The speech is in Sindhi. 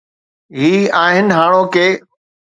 هي آهن هاڻوڪي.